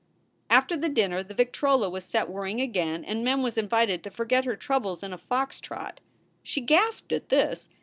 After the dinner the victrola was set whirring again and Mem was invited to forget her troubles in a fox trot. She gasped at this.